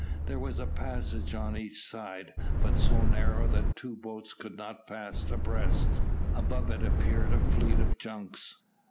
There was a passage on each side, but so narrow that two boats could not pass abreast. Above it appeared a fleet of junks.